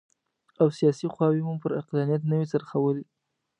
او سیاسي خواوې مو پر عقلانیت نه وي څرخولي.